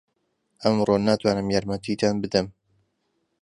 ئەمڕۆ ناتوانم یارمەتیتان بدەم.